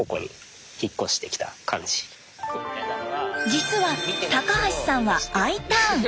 実は高橋さんはＩターン。